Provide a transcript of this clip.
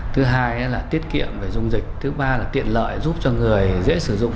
thứ hai là tiết kiệm về dung dịch thứ ba là tiện lợi giúp cho người dễ sử dụng